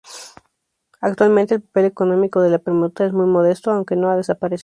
Actualmente el papel económico de la permuta es muy modesto, aunque no ha desaparecido.